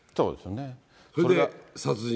それで、殺人。